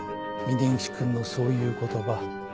峰岸君のそういう言葉。